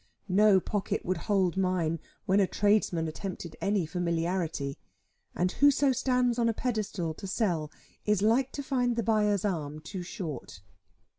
No pocket would hold mine, when a tradesman attempted any familiarity. And whoso stands on a pedestal to sell, is like to find the buyer's arm too short.